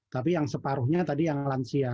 tapi yang separuhnya tadi yang lansia